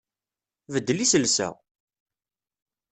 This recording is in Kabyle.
Beddel iselsa!